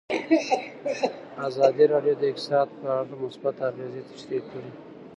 ازادي راډیو د اقتصاد په اړه مثبت اغېزې تشریح کړي.